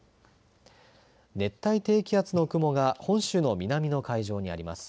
熱帯低気圧の雲が本州の南の海上にあります。